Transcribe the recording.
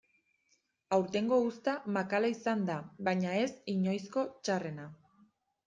Aurtengo uzta makala izan da baina ez inoizko txarrena.